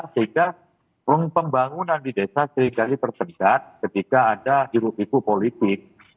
sehingga pembangunan di desa seringkali berpegat ketika ada hirupiku politik